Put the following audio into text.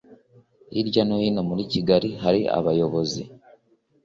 Hirya no hino muri Kigali hari abayobozi